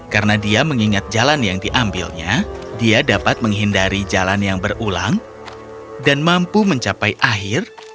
karena dia mengingat jalan yang diambilnya dia dapat menghindari jalan yang berulang dan mampu mencapai akhir